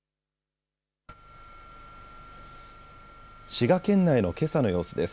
滋賀県内のけさの様子です。